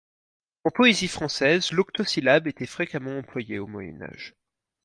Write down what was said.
En poésie française, l'octosyllabe était fréquemment employé au Moyen Âge.